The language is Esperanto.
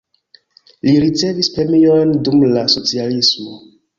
Li ricevis premiojn dum la socialismo.